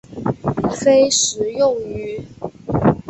非食用鱼。